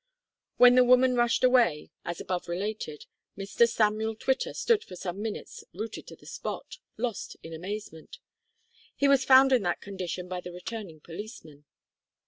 When the woman rushed away, as above related, Mr Samuel Twitter stood for some minutes rooted to the spot, lost in amazement. He was found in that condition by the returning policeman.